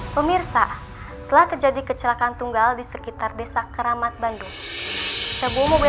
pemirsa telah terjadi kecelakaan tunggal di sekitar desa keramat bandung